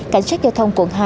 cảnh sát giao thông quận hai